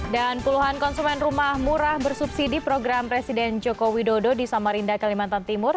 dan puluhan konsumen rumah murah bersubsidi program presiden joko widodo di samarinda kalimantan timur